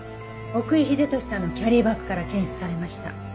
奥居秀俊さんのキャリーバッグから検出されました。